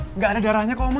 enggak ada darahnya kok ma